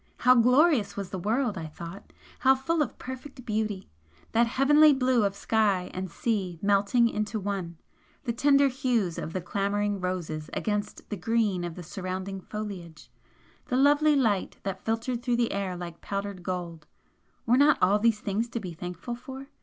How glorious was the world, I thought! how full of perfect beauty! That heavenly blue of sky and sea melting into one the tender hues of the clambering roses against the green of the surrounding foliage the lovely light that filtered through the air like powdered gold! were not all these things to be thankful for?